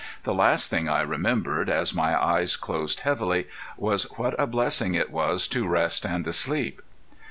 The last thing I remembered, as my eyes closed heavily, was what a blessing it was to rest and to sleep.